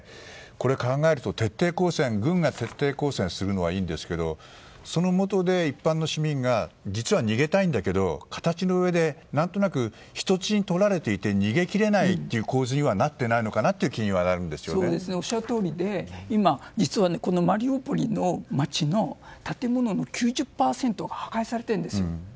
これを考えると軍が徹底抗戦するのはいいんですがそのもとで一般の市民が実は逃げたいんだけど形の上で何となく人質にとられていて逃げ切れないという構図にはなっていないのかなというおっしゃるとおりで実は今このマリウポリの街の建物の９０％は破壊されているんです。